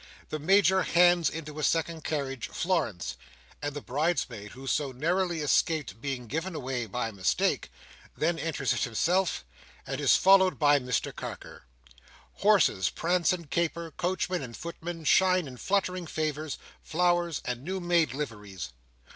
The Major hands into a second carriage, Florence, and the bridesmaid who so narrowly escaped being given away by mistake, and then enters it himself, and is followed by Mr Carker. Horses prance and caper; coachmen and footmen shine in fluttering favours, flowers, and new made liveries.